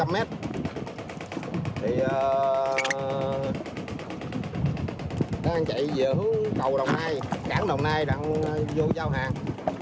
một trăm linh mét thì đang chạy giữa cầu đồng nai cảng đồng nai đang vô giao hàng